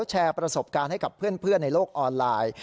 แชร์ประสบการณ์ให้กับเพื่อนในโลกออนไลน์